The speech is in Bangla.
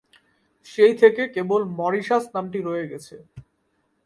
সেই থেকে কেবল মরিশাস নামটি রয়ে গেছে।